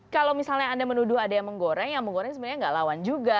kalau misalnya anda menuduh ada yang menggoreng yang menggoreng sebenarnya nggak lawan juga